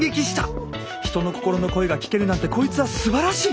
人の心の声が聞けるなんてこいつはすばらしい！